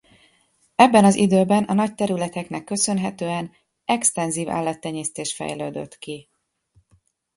Ebben az időben a nagy területeknek köszönhetően extenzív állattenyésztés fejlődött ki.